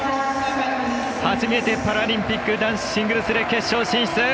初めてパラリンピック男子シングルスで決勝進出！